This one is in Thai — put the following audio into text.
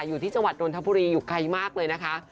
อยู่ที่จังหวัดนทบุรีอยู่ไกลมากเลยนะคะ